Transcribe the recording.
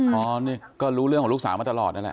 อ๋อนี่ก็รู้เรื่องของลูกสาวมาตลอดนั่นแหละ